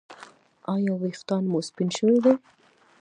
ایا ویښتان مو سپین شوي دي؟